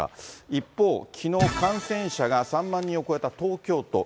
一方、きのう、感染者が３万人を超えた東京都。